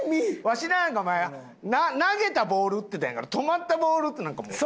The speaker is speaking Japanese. わしなんかお前投げたボール打ってたんやから止まったボール打つなんかもう。